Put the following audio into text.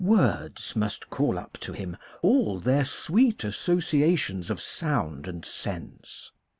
Words must call up to him all their sweet associa tions of sound and sense.